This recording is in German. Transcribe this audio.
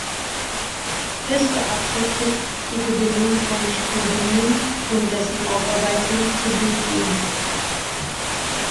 Es beabsichtigt die Gewinnung von Spodumen und dessen Aufarbeitung zu Lithium.